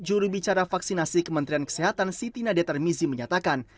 juru bicara vaksinasi kementerian kesehatan siti nadia termizi menyatakan